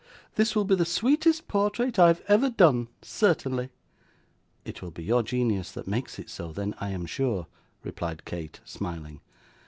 This will be the sweetest portrait I have ever done, certainly.' 'It will be your genius that makes it so, then, I am sure,' replied Kate, smiling.